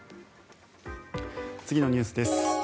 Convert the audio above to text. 次のニュースです。